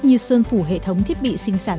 như sơn phủ hệ thống thiết bị sinh sản